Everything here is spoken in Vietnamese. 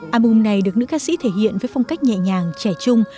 album này được nữ ca sĩ thể hiện với phong cách nhẹ nhàng trẻ trung